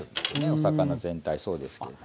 お魚全体そうですけれど。